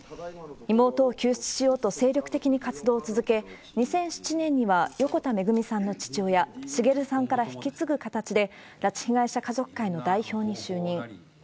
妹を救出しようと精力的に活動を続け、２００７年には横田めぐみさんの父親、滋さんから引き継ぐ形で、拉致被害者家族会の代表に就任。